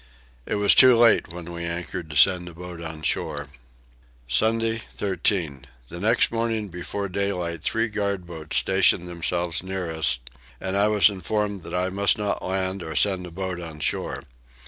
It was too late when we anchored to send a boat on shore. Sunday 13. The next morning before daylight three guard boats stationed themselves near us and I was informed that I must not land or send a boat on shore.